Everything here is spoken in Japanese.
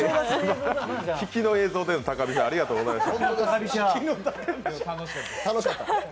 引きの映像の高飛車ありがとうございました。